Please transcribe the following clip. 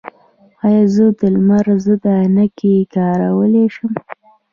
ایا زه د لمر ضد عینکې کارولی شم؟